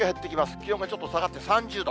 気温もちょっと下がって３０度。